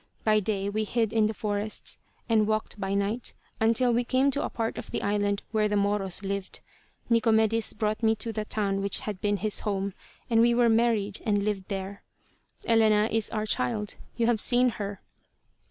By day we hid in the forests, and walked by night, until we came to a part of the island where the Moros lived. Nicomedis brought me to the town which had been his home, and we were married and lived there. "Elena is our child. You have seen her."